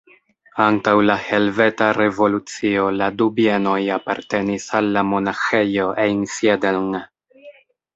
Antaŭ la Helveta Revolucio la du bienoj apartenis al la Monaĥejo Einsiedeln.